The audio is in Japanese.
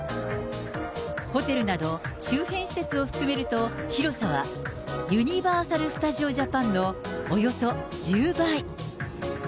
ホテルなど周辺施設を含めると、広さはユニバーサル・スタジオ・ジャパンのおよそ１０倍。